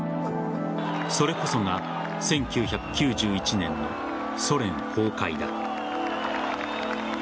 それこそが１９９１年のソ連崩壊だ。